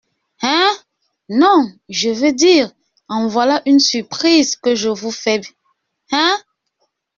Hein ?… non… je veux dire : en voilà une surprise que je vous fais, hein ?